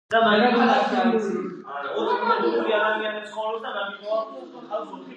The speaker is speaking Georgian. დღეისთვის ეს არის სრული ჩანაწერებიდან ერთადერთი, რომელიც ოფიციალურ ვრცელდება ციფრული ჩამონატვირთის სახით.